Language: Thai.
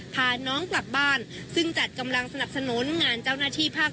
พาน้องกลับบ้านซึ่งจัดกำลังสนับสนุนงานเจ้าหน้าที่ภาค